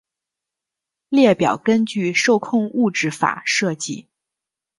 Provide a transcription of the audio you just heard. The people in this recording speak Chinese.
列表根据受控物质法设计。